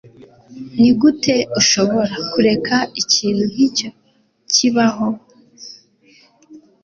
Nigute ushobora kureka ikintu nkicyo kibaho?